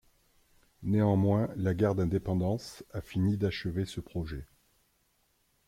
Néanmoins, la guerre d'indépendance a fini d'achever ce projet.